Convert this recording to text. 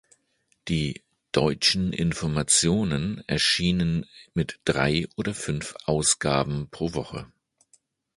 Die "Deutschen Informationen" erschienen mit drei oder fünf Ausgaben pro Woche.